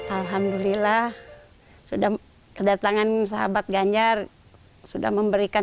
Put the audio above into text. alhamdulillah sudah kedatangan sahabat ganjar sudah memberikan